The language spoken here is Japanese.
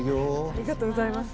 ありがとうございます。